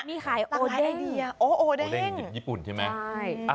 มีขายโอเด้งด้วย